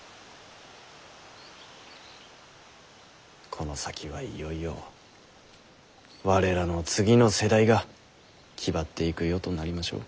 この先はいよいよ我らの次の世代が気張ってゆく世となりましょう。